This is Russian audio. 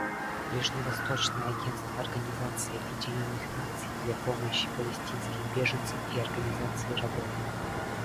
Ближневосточное агентство Организации Объединенных Наций для помощи палестинским беженцам и организации работ.